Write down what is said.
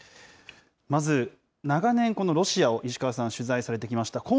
まず、長年このロシアを石川さん、取材されてきました。